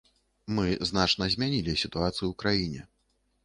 Мы значна змянілі сітуацыю ў краіне.